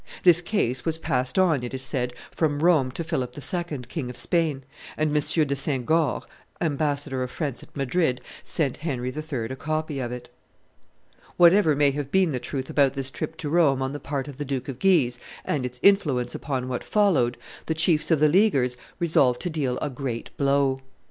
This case was passed on, it is said, from Rome to Philip II., King of Spain, and M. de Saint Goard, ambassador of France at Madrid, sent Henry III. a copy of it. [Memoires de la Ligue, t. i. pp. 1 7.] Whatever may have been the truth about this trip to Rome on the part of the Duke of Guise, and its influence upon what followed, the chiefs of the Leaguers resolved to deal a great blow.